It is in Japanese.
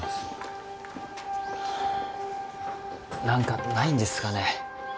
何かないんですかね